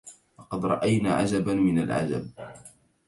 لقد رأينا عجبا من العجب